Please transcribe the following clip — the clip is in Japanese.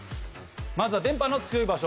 まずは電波の強い場所。